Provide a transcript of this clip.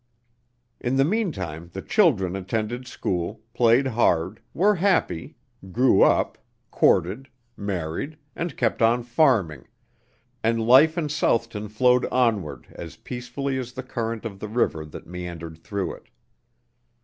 In the meantime the children attended school, played hard, were happy, grew up, courted, married, and kept on farming, and life in Southton flowed onward as peacefully as the current of the river that meandered through it.